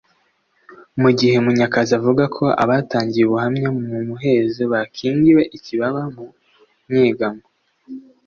mu gihe Munyakazi avuga ko abatangiye ubuhamya mu muhezo bakingiwe ikibaba mu nyegamo